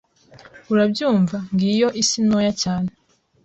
Urabyumva? Ngiyo isi ntoya cyane